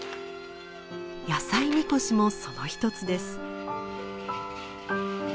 野菜神輿もその一つです。